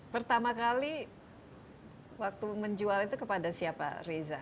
pertama kali waktu menjual itu kepada siapa reza